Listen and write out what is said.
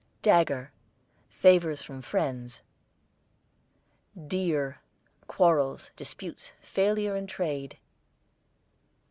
DAGGER, favours from friends. DEER, quarrels, disputes; failure in trade.